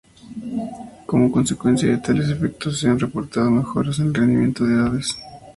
Como consecuencia de tales efectos, se han reportados mejoras del rendimiento de las aves.